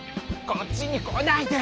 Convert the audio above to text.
こっちこないで。